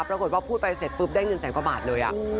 ปรากฏว่าพูดไปเสร็จปุ๊บได้เงินแสนกว่าบาทเลย